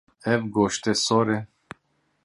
Ew goştê sor e.